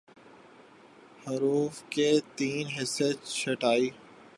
حروف کے تئیں حساس چھٹائی